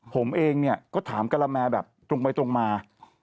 ผมเองเนี่ยก็ถามกะละแมแบบตรงไปตรงมา